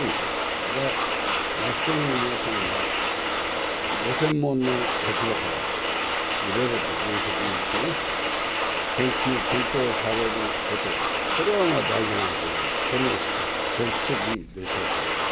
それはマスコミの皆さんがご専門の立場から、いろいろと分析してね、研究、検討されること、これはまあ、大事なことで、それも職責でしょうから。